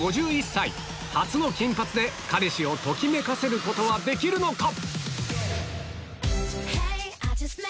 ５１歳初の金髪で彼氏をときめかせることはできるのか？